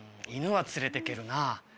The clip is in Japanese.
犬は連れてけるな。